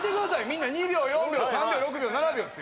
みんな２秒４秒３秒６秒７秒ですよ。